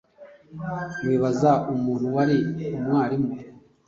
Wibaze umuntu wari umwarimu